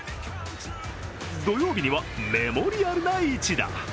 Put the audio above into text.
土曜日にはメモリアルな一打。